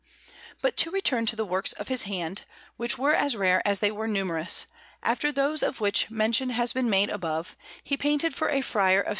Panel_)] But to return to the works of his hand, which were as rare as they were numerous: after those of which mention has been made above, he painted for a friar of S.